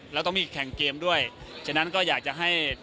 แล้วต้องมีแข่งเกมด้วยฉะนั้นก็อยากจะให้